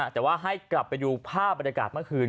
แต่ว่าให้กลับไปดูภาพบรรยากาศเมื่อคืน